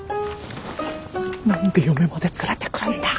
何で嫁まで連れてくるんだ？